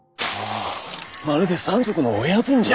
まるで山賊の親分じゃ。